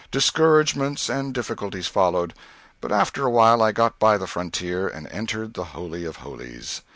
Discouragements and difficulties followed, but after a while I got by the frontier and entered the holy of holies.